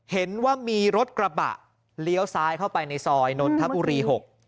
เห็นว่ามีรถกระบะเลี้ยวซ้ายเข้าไปในซอยนนทบุรี๖